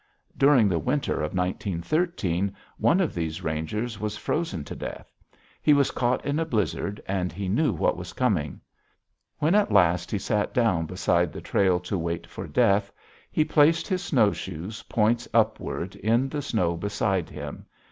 During the winter of 1913 one of these rangers was frozen to death. He was caught in a blizzard, and he knew what was coming. When at last he sat down beside the trail to wait for death he placed his snowshoes points upward in the snow beside him.